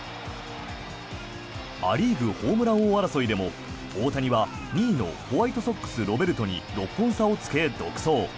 ア・リーグホームラン王争いでも大谷は２位のホワイトソックスロベルトに６本差をつけ、独走。